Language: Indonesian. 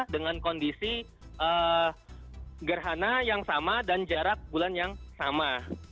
dengan kondisi gerhana yang sama dan jarak bulan yang sama